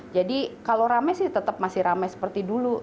jadi kalau rame sih tetap masih rame seperti dulu